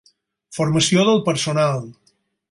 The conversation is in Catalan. Formació del personal.